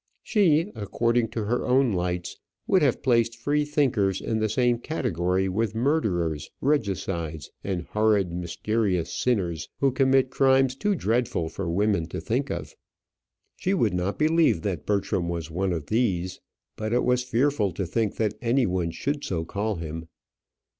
She, according to her own lights, would have placed freethinkers in the same category with murderers, regicides, and horrid mysterious sinners who commit crimes too dreadful for women to think of. She would not believe that Bertram was one of these; but it was fearful to think that any one should so call him.